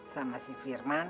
sama si firman